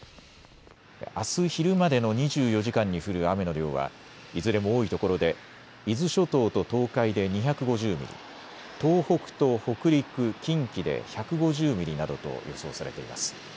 あす昼までの２４時間に降る雨の量はいずれも多いところで伊豆諸島と東海で２５０ミリ、東北と北陸、近畿で１５０ミリなどと予想されています。